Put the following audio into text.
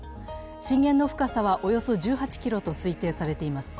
震源の深さはおよそ１８ｋｍと推定されています。